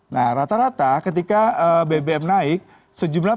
nah rata rata ketika bbm naik sejumlah